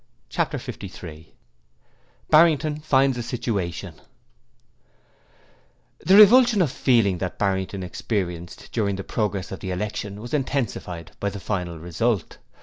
Chapter 53 Barrington Finds a Situation The revulsion of feeling that Barrington experienced during the progress of the election was intensified by the final result.